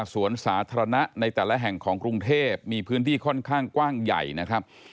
สวนสาธารณะในแต่ละแห่งของกรุงเทพมีพื้นที่ค่อนข้างกว้างใหญ่นะครับ